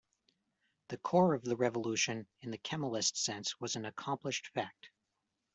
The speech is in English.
The core of the revolution, in the Kemalist sense, was an accomplished fact.